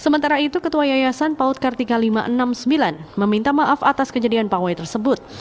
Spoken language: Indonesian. sementara itu ketua yayasan paut kartika lima ratus enam puluh sembilan meminta maaf atas kejadian pawai tersebut